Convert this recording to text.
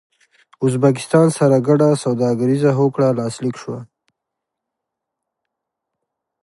ازبکستان سره ګډه سوداګريزه هوکړه لاسلیک شوه